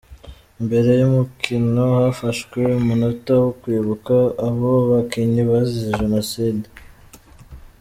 Mbere y’umukino hafashwe umunota wo kwibuka abo bakinnyi bazize Jenoside.